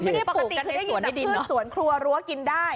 ปกติคือได้ยินแต่พืชสวนครัวรั้วกินได้